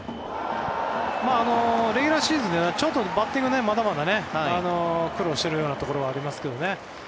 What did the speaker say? レギュラーシーズンバッティングがまだまだ苦労しているようなところはありますけどね。